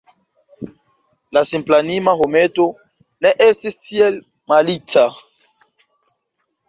La simplanima hometo ne estis tiel malica.